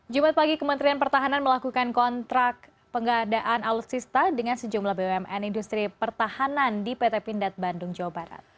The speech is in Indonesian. jumat pagi kementerian pertahanan melakukan kontrak pengadaan alutsista dengan sejumlah bumn industri pertahanan di pt pindad bandung jawa barat